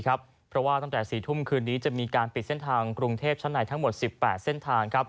เพราะว่าตั้งแต่๔ทุ่มคืนนี้จะมีการปิดเส้นทางกรุงเทพชั้นในทั้งหมด๑๘เส้นทาง